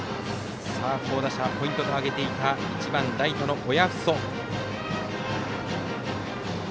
好打者、ポイントで挙げていた１番ライトの親富祖。